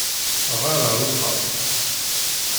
Ɣeṛ ar uxxam!